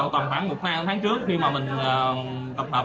tầm khoảng một tháng trước khi mà mình tập tập